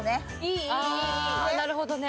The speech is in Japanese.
あなるほどね。